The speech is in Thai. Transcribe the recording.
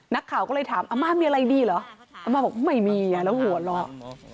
นักข่าวก็เลยถามอำมาตย์มีอะไรดีหรืออำมาตย์บอกไม่มีแล้วหัวหลอก